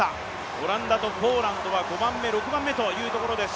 オランダとポーランドは５番目、６番目というところです。